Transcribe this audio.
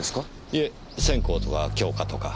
いえ線香とか供花とか。